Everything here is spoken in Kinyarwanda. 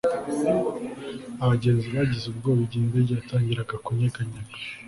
abagenzi bagize ubwoba igihe indege yatangiraga kunyeganyega